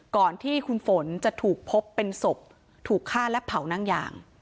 ก่อนที่คุณฝนจะถูกพบเป็นศพถูกฆ่าและเผานั่งยาง